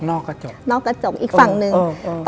นอกกระจกนอกกระจกอีกฝั่งนึงเออเออ